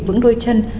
vững đôi chân